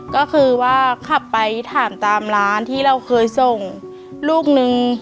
ก็คือว่าขับไปถามตามร้านที่เราเคยส่งลูกนึง